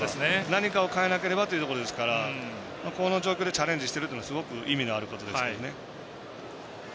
何かを変えなければというところですからこの状況でチャレンジしてるというのはすごく意味がありますよね。